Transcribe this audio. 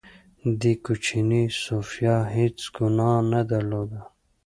دې کوچنۍ سوفیا هېڅ ګناه نه درلوده